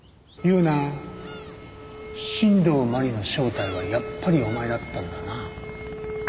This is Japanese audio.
新道真理の正体はやっぱりお前だったんだな。